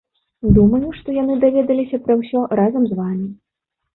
Думаю, што яны даведаліся пра ўсё разам з вамі.